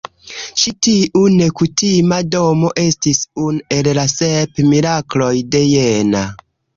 Ĉi-tiu nekutima domo estis unu el la "Sep Mirakloj de Jena".